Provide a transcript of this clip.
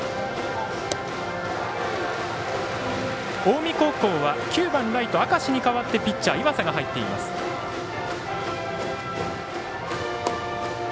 近江高校は９番ライト、明石に代わってピッチャー岩佐が入っています。